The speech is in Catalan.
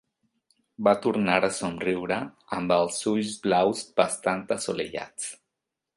Va tornar a somriure, amb els ulls blaus bastant assolellats.